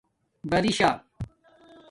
برَشا